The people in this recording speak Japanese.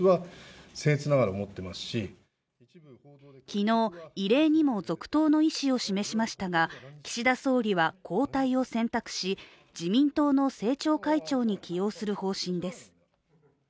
昨日、異例にも続投の意思を示しましたが、岸田総理は交代を選択し自民党の政調会長に起用する方針です。